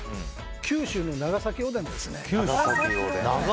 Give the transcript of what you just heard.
九州の長崎風おでんですね。